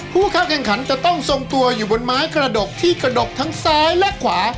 ผู้เข้าแข่งขันจะต้องทรงตัวอยู่บนไม้กระดกที่กระดกทั้งซ้ายและขวา